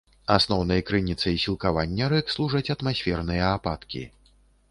Асноўнай крыніцай сілкавання рэк служаць атмасферныя ападкі.